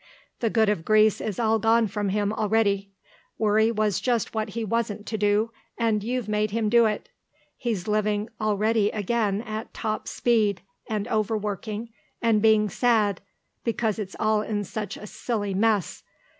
The good of Greece is all gone from him already; worry was just what he wasn't to do, and you've made him do it. He's living already again at top speed, and over working, and being sad because it's all in such a silly mess.